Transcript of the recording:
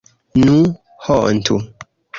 Nu, hontu!